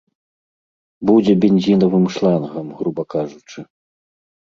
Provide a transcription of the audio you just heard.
Будзе бензінавым шлангам, груба кажучы.